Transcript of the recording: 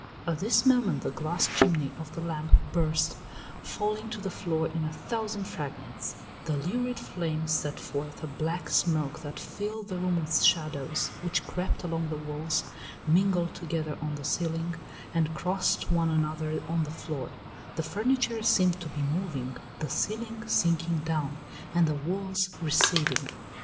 At this moment the glass chimney of the lamp burst, falling to the floor in a thousand fragments; the lurid flame sent forth a black smoke that filled the room with shadows which crept along the walls, mingled together on the ceiling, and crossed one another on the floor; the furniture seemed to be moving, the ceiling sinking down, and the walls receding.